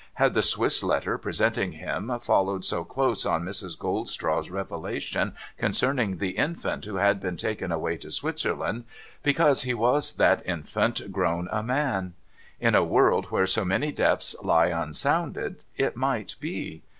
Had the Swiss letter presenting him followed so close on Mrs. Goldstraw's revelation concerning the infant who had been taken away to Switzerland, because he was that infant grown a man? In a world where so many depths lie unsounded, it might be.